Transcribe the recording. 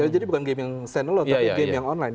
jadi bukan game yang standalone tapi game yang online